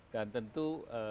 dan tentu kita harus berharap